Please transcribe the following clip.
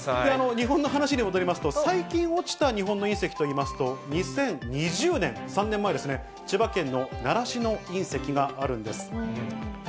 日本の話に戻りますと、最近落ちた日本の隕石といいますと、２０２０年、３年前ですね、千葉県の習志野隕石があるんです。